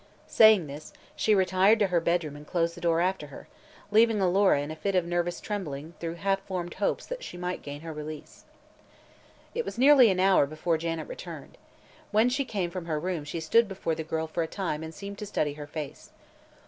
Saying this, she retired to her bedroom and closed the door after her, leaving Alora in a fit of nervous trembling through half formed hopes that she might gain her release. It was nearly an hour before Janet returned. When she came from her room she stood before the girl for a time and seemed to study her face.